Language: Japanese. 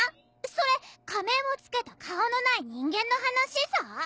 それ仮面をつけた顔のない人間の話さ？